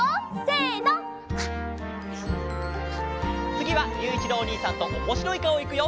つぎはゆういちろうおにいさんとおもしろいかおいくよ！